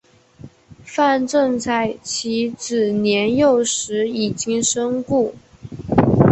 范正在其子年幼时已经身故。